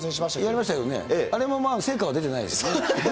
やりましたけどね、あれも成果は出てないですね。